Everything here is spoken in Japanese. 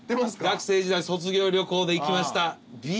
学生時代卒業旅行で行きました美瑛。